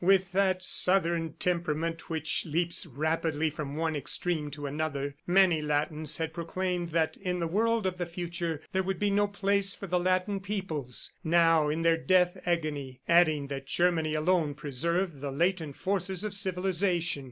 With that Southern temperament, which leaps rapidly from one extreme to another, many Latins had proclaimed that in the world of the future, there would be no place for the Latin peoples, now in their death agony adding that Germany alone preserved the latent forces of civilization.